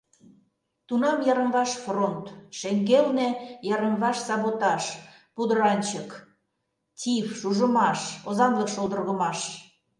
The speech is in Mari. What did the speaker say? Тунам йырым-ваш — фронт, шеҥгелне — йырым-ваш саботаж, пудыранчык, тиф, шужымаш, озанлык шолдыргымаш...